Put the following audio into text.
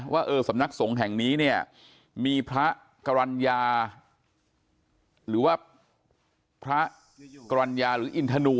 ว่าเออสำนักสงฆ์แห่งนี้เนี่ยมีพระกรรณญาหรือว่าพระกรรณญาหรืออินทนู